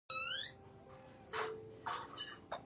سرکس ماکسیموس د رومیانو یو مشهور انجنیري کار دی.